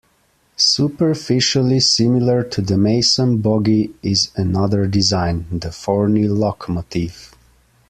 Superficially similar to the Mason Bogie is another design, the Forney locomotive.